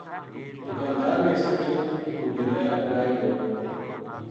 دکاندار نے اِساں کہیو ـ" توہ ڈیرے اپڑائے گو